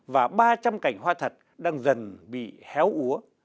và ba trăm linh cành hoa thật đang dần bị héo úa